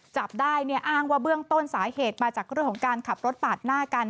จับได้เนี่ยอ้างว่าเบื้องต้นสาเหตุมาจากเรื่องของการขับรถปาดหน้ากัน